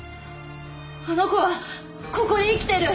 あの子はここに生きてる！